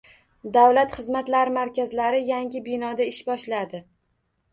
Davlat xizmatlari markazlari yangi binoda ish boshladi